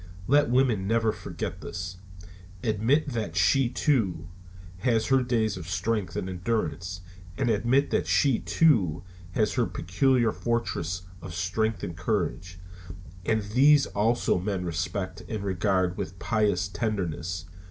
Let women never forget this. Admit that she, too, has her days of strength and endurance; and admit that she, too, has her peculiar fortress of strength and courage, and these also man respects and regards with piteous tenderness.